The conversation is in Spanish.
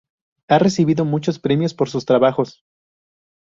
Ha recibido muchos premios por sus trabajos.